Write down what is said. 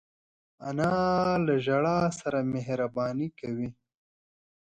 انا له ژړا سره مهربانې کوي